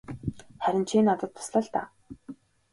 Харин чи надад тусал л даа.